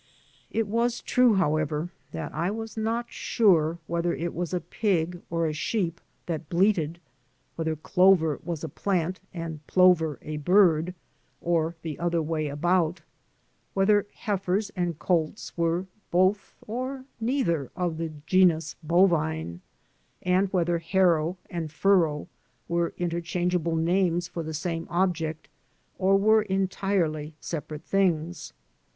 It was true, however, that I was not sure whether it was a pig or a sheep that bleated, whether clover was a plant and plover a bird, or the other way about, whether heifers and colts were both or neither of the genus bovine, and whether harrow and furrow were interchangeable names for the same object or were entirely separate things.